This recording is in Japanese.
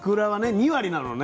２割なのね。